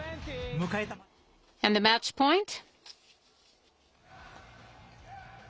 迎えたマッチポイント。